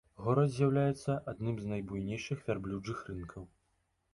Горад з'яўляецца адным з найбуйнейшых вярблюджых рынкаў.